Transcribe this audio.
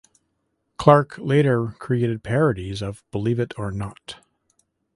Clarke later created parodies of Believe It or Not!